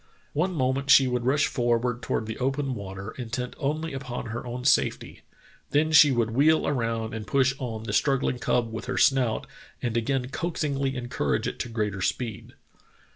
One moment she would rush forward toward the open water, intent only upon her own safety; then she would wheel around and push on the struggling cub with her snout and again coaxingly encourage it to greater speed.